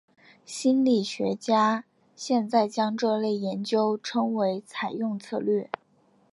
心理学家现在将这类研究称为采用策略。